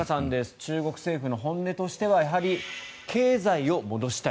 中国政府の本音としてはやはり経済を戻したい。